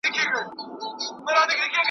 هره ورځ یې په لېدلو لکه ګل تازه کېدمه .